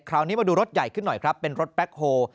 คราวนี้มาดูรถใหญ่ขึ้นหน่อยครับเป็นรถแบ็คโฮ